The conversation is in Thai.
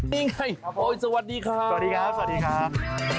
นี่ไงสวัสดีครับ